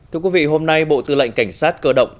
thưa quý vị hôm nay bộ tư lệnh cảnh sát cơ động